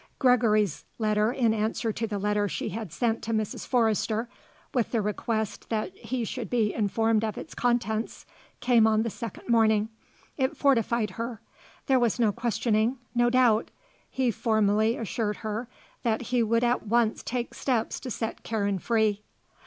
Gregory's letter in answer to the letter she had sent to Mrs. Forrester, with the request that he should be informed of its contents, came on the second morning. It fortified her. There was no questioning; no doubt. He formally assured her that he would at once take steps to set Karen free.